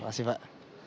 terima kasih pak